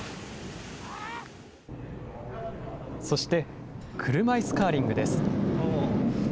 そして車いすカーリングです。